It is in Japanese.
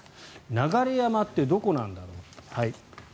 流山ってどこなんだろう。